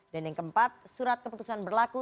yang keempat surat keputusan berlaku